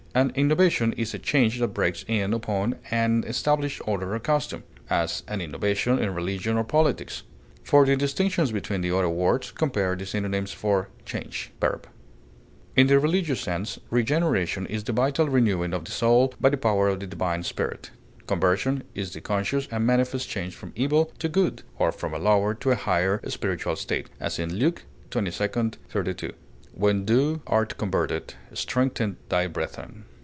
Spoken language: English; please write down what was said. An innovation is a change that breaks in upon an established order or custom; as, an innovation in religion or politics. For the distinctions between the other words compare the synonyms for CHANGE, v. In the religious sense regeneration is the vital renewing of the soul by the power of the divine Spirit; conversion is the conscious and manifest change from evil to good, or from a lower to a higher spiritual state; as, in Luke xxii, 32, "when thou art converted, strengthen thy brethren."